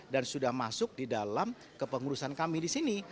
dan sudah masuk di dalam kepengurusan kami di sini